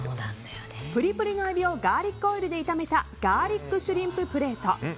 プリプリのエビをガーリックオイルで炒めたガーリックシュリンププレート。